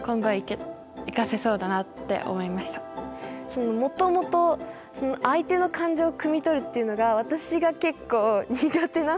それでもともと相手の感情をくみ取るっていうのが私が結構苦手な方なんですよ。